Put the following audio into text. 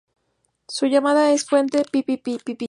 Su llamada es un fuerte "pi-pi-pi-pi-pi-pi-pi".